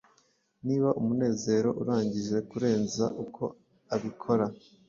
Niba umunezero urangije kurenza uko abikora